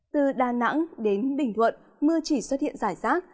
từ đà nẵng đến bình thuận mưa chỉ xuất hiện rải rác